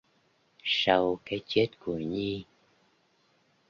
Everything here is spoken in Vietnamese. Sau cái chết của Nhi